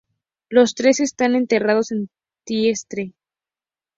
Los tres están enterrados en Trieste.